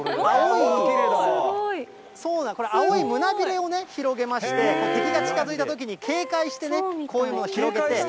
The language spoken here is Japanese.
これ、青い胸びれをね、広げまして、敵が近づいたときに警戒してね、こういうのを広げて。